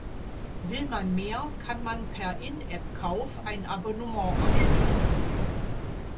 Will man mehr, kann man per In-App-Kauf ein Abonnement abschließen.